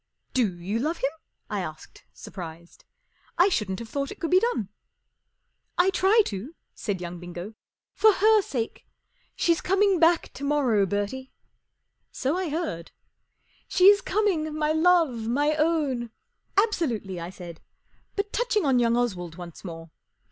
44 Do you love him ?" I asked, surprised. I shouldn't have thought it could be done. 44 I try to," said young Bingo, 44 for Her sake. She's coming back to morrow, Bertie." 44 So I heard." 44 She is coming, my love, my own " 44 Absolutely," I said. 44 But touching on young Oswald once more.